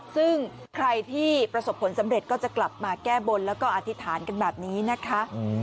ซึ่งใครที่ประสบผลสำเร็จก็จะกลับมาแก้บนแล้วก็อธิษฐานกันแบบนี้นะคะ